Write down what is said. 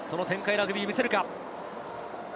ラグビー見せるか。